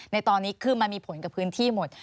ในตอนนี้คือมันมีผลกับพื้นที่หมด